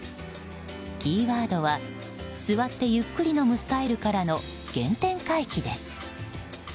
キーワードは座ってゆっくり飲むスタイルからの原点回帰です。